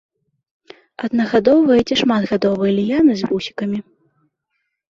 Аднагадовыя ці шматгадовыя ліяны з вусікамі.